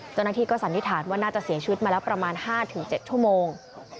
เจ้าหน้าที่ก็สันนิษฐานว่าน่าจะเสียชีวิตมาแล้วประมาณ๕๗ชั่วโมง